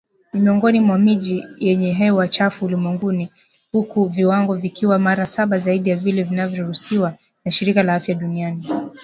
Ni miongoni mwa miji yenye hewa chafu ulimwenguni, huku viwango vikiwa mara saba zaidi ya vile vinavyoruhusiwa na shirika la afya duniani.